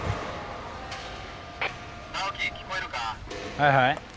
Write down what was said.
はいはい。